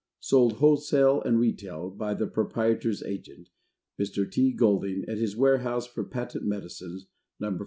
Sold Wholesale and Retail by the Proprietor's Agent, Mr. T. GOLDING, at his Warehouse for Patent Medicines, No.